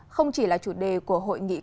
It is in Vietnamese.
không chỉ là chủ đề của hội nghị cấp bản